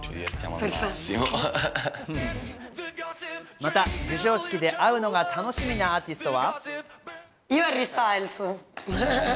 また授賞式で会うのが楽しみなアーティストは？